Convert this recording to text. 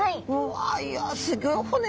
わいやすギョい骨ですね。